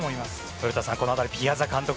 古田さん、この辺りピアザ監督